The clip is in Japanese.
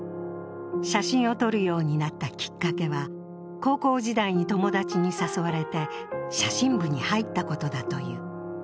写真を撮るようになったきっかけは高校時代に友達に誘われて写真部に入ったことだという。